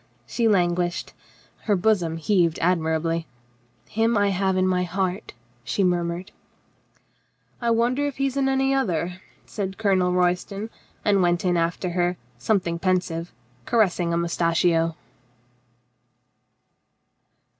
She languished. Her bosom heaved admirably. "Him I have in my heart," she murmured. "I wonder if he is in any other," said Colonel Royston, and went in after her, something pensive, caressing a moustachio.